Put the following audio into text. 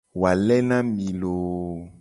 Wale na mi loo.